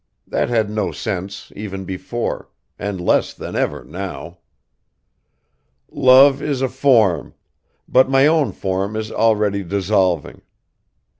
That had no sense even before, and less than ever now. Love is a form, but my own form is already dissolving.